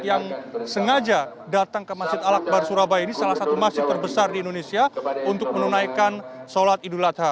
dan dari lainnya dan mereka juga datang ke masjid al akbar surabaya ini salah satu masjid terbesar di indonesia untuk menunaikan sholat idul adha